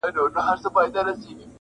حافظه يې ژوندۍ ساتي تل تل